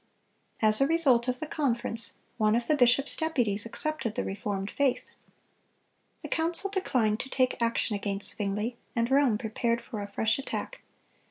(257) As a result of the conference, one of the bishop's deputies accepted the reformed faith. The council declined to take action against Zwingle, and Rome prepared for a fresh attack.